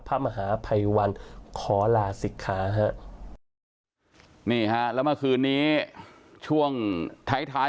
พระมหาภัยวันขอลาศิษย์ค่ะนี่ค่ะแล้วมาคืนนี้ช่วงท้าย